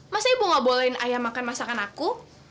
masa ibu gak bolehin ayah makan masakan aku